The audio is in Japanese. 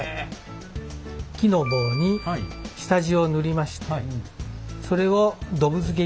木の棒に下地を塗りましてそれをドブ漬け。